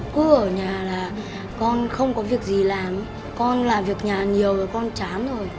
cứ ở nhà là con không có việc gì làm con làm việc nhà nhiều con chán rồi